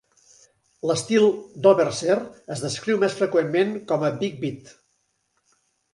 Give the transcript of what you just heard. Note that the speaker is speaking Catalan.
L'estil d'Overseer es descriu més freqüentment com a big beat.